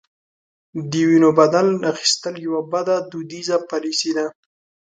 د وینو بدل اخیستل یوه بده دودیزه پالیسي ده.